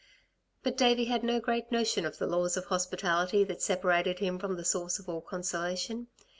But Davey had no great notion of the laws of hospitality that separated him from the source of all consolation.